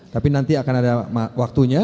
tapi nanti akan ada waktunya